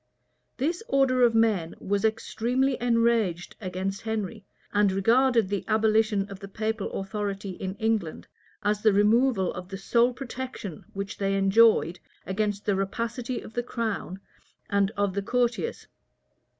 This order of men was extremely enraged against Henry, and regarded the abolition of the papal authority in England as the removal of the sole protection which they enjoyed against the rapacity of the crown and of the courtiers.